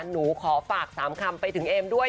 หนูขอฝาก๓คำไปถึงเอมด้วย